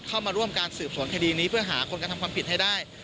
เข้ามาร่วมการสืบสวนคดีนี้เพื่อหาคนกระทำความผิดให้ได้